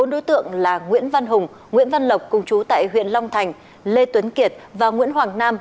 bốn đối tượng là nguyễn văn hùng nguyễn văn lộc cùng chú tại huyện long thành lê tuấn kiệt và nguyễn hoàng nam